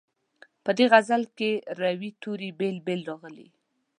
په دې غزل کې روي توري بېل بېل راغلي.